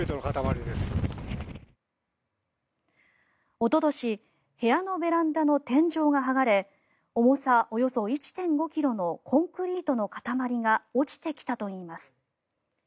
おととし部屋のベランダの天井が剥がれ重さおよそ１．５ｋｇのコンクリートの塊が落ちてきたといいます。